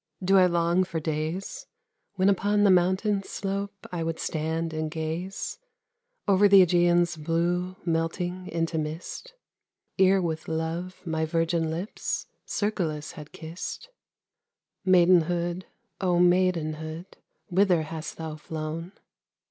Do I long for days When upon the mountain slope I would stand and gaze Over the Ægean's blue Melting into mist, Ere with love my virgin lips Cercolas had kissed? Maidenhood, O maidenhood, Whither hast thou flown?